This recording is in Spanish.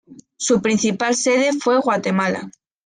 Su principal sede fue Guatemala.